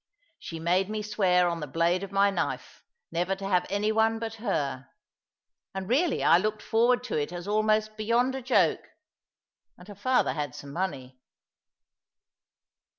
She made me swear on the blade of my knife never to have any one but her; and really I looked forward to it as almost beyond a joke; and her father had some money.